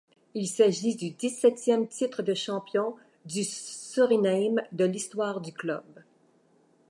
Il s’agit du dix-septième titre de champion du Suriname de l'histoire du club.